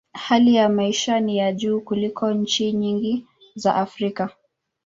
Hali ya maisha ni ya juu kuliko nchi nyingi za Afrika.